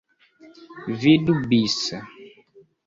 Vidu bis.